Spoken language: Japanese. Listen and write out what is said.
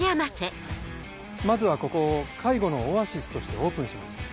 まずはここを「介護のオアシス」としてオープンします。